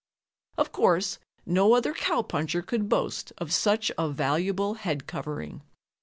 Of course, no other cowpuncher could boast of such a valuable head covering.